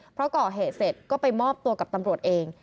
เพราะก่อเหตุเสร็จก็ไปมอบตัวกับตำรวจเอง